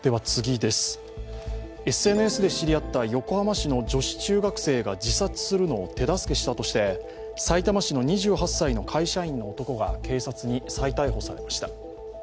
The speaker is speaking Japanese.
ＳＮＳで知り合った横浜市の女子中学生が自殺するのを手助けしたとして、さいたま市の２８歳の会社員の男が警察に再逮捕されました。